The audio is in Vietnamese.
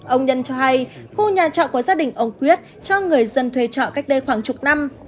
ông nhân cho hay khu nhà trọ của gia đình ông quyết cho người dân thuê trọ cách đây khoảng chục năm